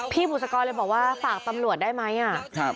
พี่บุษกรบอกว่าฝากตำรวจได้มั้ยอย่างนี้